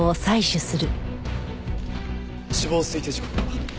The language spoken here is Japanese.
死亡推定時刻は？